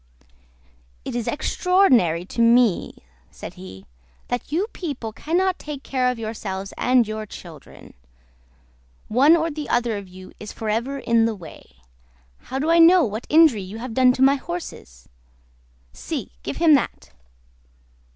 "It is extraordinary to me," said he, "that you people cannot take care of yourselves and your children. One or the other of you is for ever in the way. How do I know what injury you have done my horses. See! Give him that."